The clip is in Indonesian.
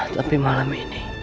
tapi malam ini